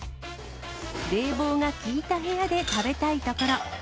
冷房が効いた部屋で食べたいところ。